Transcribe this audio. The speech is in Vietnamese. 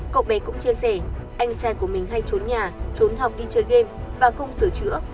cậu bé cũng chia sẻ anh trai của mình hay trốn nhà trốn học đi chơi game và không sửa chữa